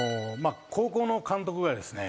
高校の監督がですね